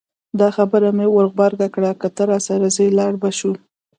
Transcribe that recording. دا خبره مې ور غبرګه کړه که ته راسره ځې لاړ به شو.